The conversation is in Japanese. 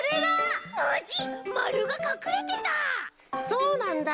そうなんだ！